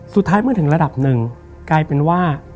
เมื่อถึงระดับหนึ่งกลายเป็นว่า